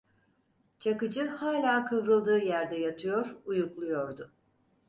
Çakıcı hâlâ kıvrıldığı yerde yatıyor, uyukluyordu.